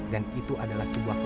dan itu adalah kebenaran kita